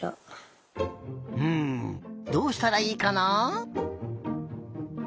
うんどうしたらいいかな？